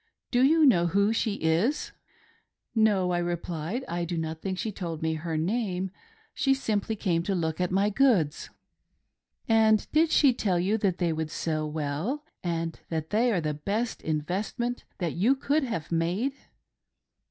Do you know who she is T " No," I replied, " I do not think she told me her name ; she •simply came to look at the goods;" "And did she tell you that they would sell well, and that they are the best investment that you could have ■made